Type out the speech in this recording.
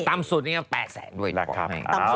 ตามสูตรนี้ก็๘แสนบาทด้วย